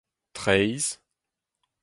traezh